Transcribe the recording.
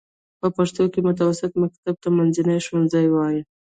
په پښتو کې متوسطه مکتب ته منځنی ښوونځی وايي.